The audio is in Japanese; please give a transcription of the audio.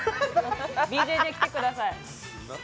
ＢＪＪ来てください。